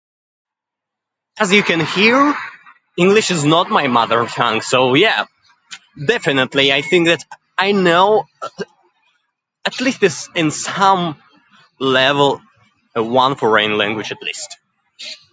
As you can hear, english is not my mother tongue. So yeah, definitly, I think that I know. At least, it is in some level, one freign language at least.